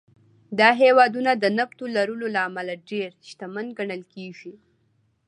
دا هېوادونه د نفتو لرلو له امله ډېر شتمن ګڼل کېږي.